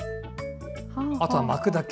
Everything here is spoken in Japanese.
あとは巻くだけ。